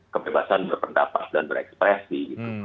kebebasan berpendapat dan berekspresi